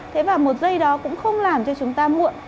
thế và một giây đó cũng không làm cho chúng ta muộn